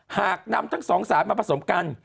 หากนำทั้ง๒๓มาผสมกัน